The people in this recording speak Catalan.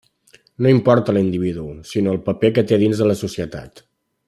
No importa l'individu sinó el paper que té dins la societat.